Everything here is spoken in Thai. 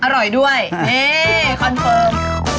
อร่อยด้วยนี่คอนเฟิร์ม